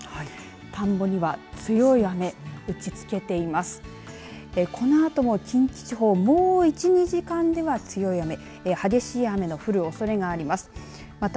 田んぼには、強い雨打ちつけています。